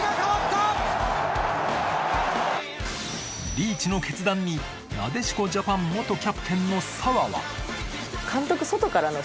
リーチの決断になでしこジャパン元キャプテンの澤は？